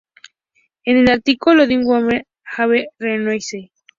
En el artículo "Did Women have a Renaissance?